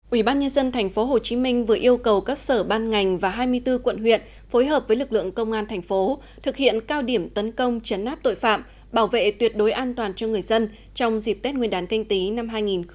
ủy ban nhân dân tp hcm vừa yêu cầu các sở ban ngành và hai mươi bốn quận huyện phối hợp với lực lượng công an thành phố thực hiện cao điểm tấn công chấn áp tội phạm bảo vệ tuyệt đối an toàn cho người dân trong dịp tết nguyên đán canh tí năm hai nghìn hai mươi